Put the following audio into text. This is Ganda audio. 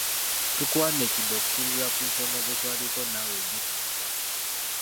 Tukuwandiikidde okusinziira ku nsonga ze twaliko naawe jjo ku makya.